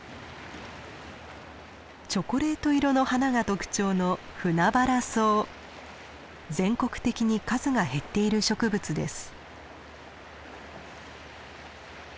チョコレート色の花が特徴の全国的に数が減っている植物です。